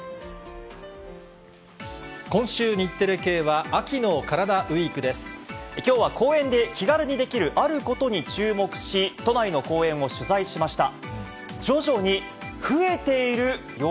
今週、日テレ系は、きょうは、公園で気軽にできる、あることに注目し、都内の公園を取材しました。